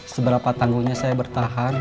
seberapa tanggungnya saya bertahan